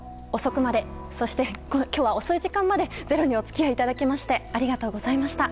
今日は遅い時間まで「ｚｅｒｏ」にお付き合いいただきましてありがとうございました。